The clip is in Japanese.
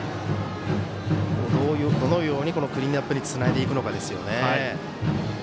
どのようにクリーンアップにつないでいくのかですよね。